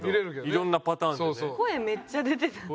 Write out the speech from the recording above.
いろんなパターンでね。